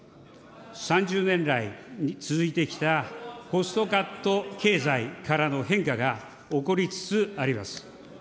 ３０年来続いてきたコストカット経済からの変化が起こりつつあります。